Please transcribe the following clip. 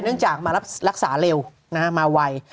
เนื่องจากมารักษาเร็วมาไว